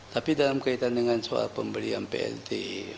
tapi dalam kaitan dengan soal pembelian plt